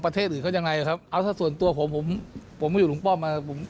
ประเทศอื่นเขายังไงครับเอาถ้าส่วนตัวผมผมผมก็อยู่ลุงป้อมมาผม